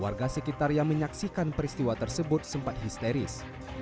warga sekitar yang menyaksikan peristiwa tersebut sempat histeris